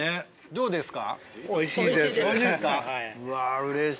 どうですか？